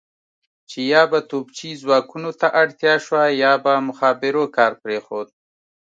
چې یا به توپچي ځواکونو ته اړتیا شوه یا به مخابرو کار پرېښود.